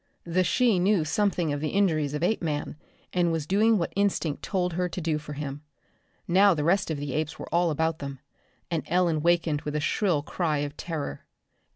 The she knew something of the injuries of Apeman and was doing what instinct told her to do for him. Now the rest of the apes were all about them and Ellen wakened with a shrill cry of terror.